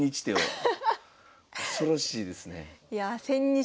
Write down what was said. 恐ろしいですね。